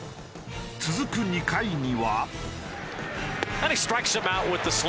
続く２回には。